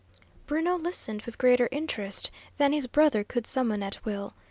Bruno listened with greater interest than his brother could summon at will.